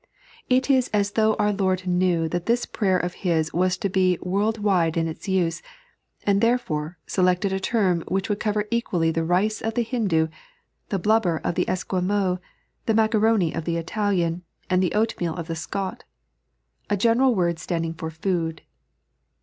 It is as though our Lord knew that this prayer of His was to be world wide in its use, and, therefore, selected a term which would cover equally the rice of the Hindu, the blubber of the Esquimaux, the macaroni of the Italian, and the oatmeal of the Scot — a general word standing for food.